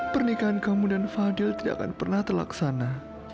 pernikahan kamu dan fadil tidak akan pernah terlaksana